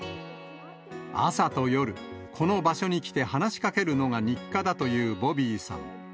朝と夜、この場所に来て話しかけるのが日課だというボビーさん。